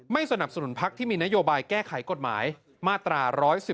สนับสนุนพักที่มีนโยบายแก้ไขกฎหมายมาตรา๑๑๒